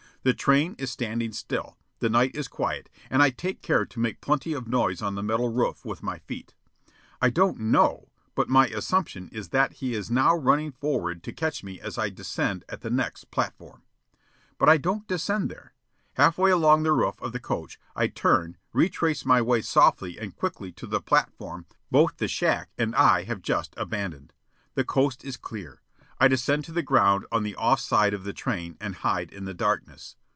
The train is standing still; the night is quiet, and I take care to make plenty of noise on the metal roof with my feet. I don't know, but my assumption is that he is now running forward to catch me as I descend at the next platform. But I don't descend there. Halfway along the roof of the coach, I turn, retrace my way softly and quickly to the platform both the shack and I have just abandoned. The coast is clear. I descend to the ground on the off side of the train and hide in the darkness.